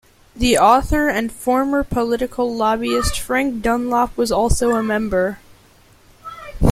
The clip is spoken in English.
The author and former political lobbyist Frank Dunlop was also a member.